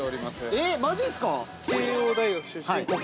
◆えっ、マジっすか！